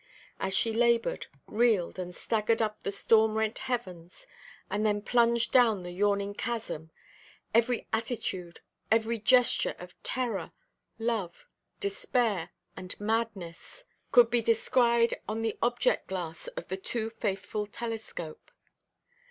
As she laboured, reeled, and staggered up to the storm–rent heavens, and then plunged down the yawning chasm, every attitude, every gesture of terror, love, despair, and madness could be descried on the object–glass of the too–faithful telescope.